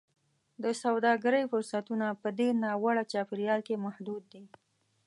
د سوداګرۍ فرصتونه په دې ناوړه چاپېریال کې محدود دي.